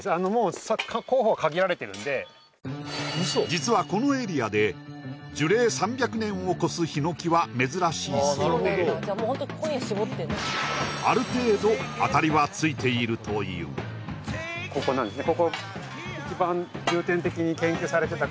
実はこのエリアで樹齢３００年を超すヒノキは珍しいそうである程度あたりは付いているというそうなんです